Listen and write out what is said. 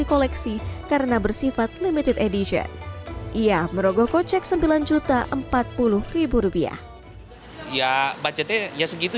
koleksi karena bersifat limited edition ia merogoh kocek sembilan juta empat puluh rupiah ya budgetnya ya segitu